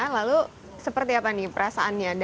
lalu seperti apa nih perasaannya